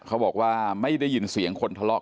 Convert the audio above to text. เขาบอกว่าไม่ได้ยินเสียงคนทะเลาะ